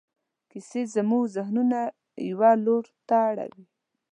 کیسې زموږ ذهنونه یوه لور ته اړوي.